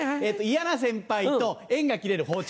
嫌な先輩と縁が切れる包丁。